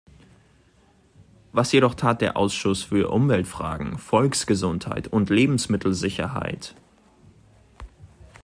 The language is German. Was jedoch tat der Ausschuss für Umweltfragen, Volksgesundheit und Lebensmittelsicherheit?